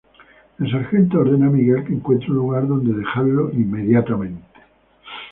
El sargento ordena a Miguel que encuentre un lugar donde dejarlo inmediatamente.